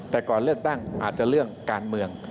แต่ก่อนเลือกตั้งอาจจะเรื่องการเมือง